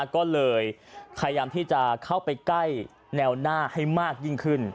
ก็เลยพยายามที่จะเข้าไปใกล้แนวหน้าให้มากยิ่งขึ้น